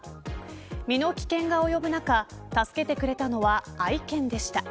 身の危険が及ぶ中助けてくれたのは愛犬でした。